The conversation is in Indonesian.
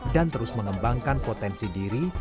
dan terus mengembangkan potensi diri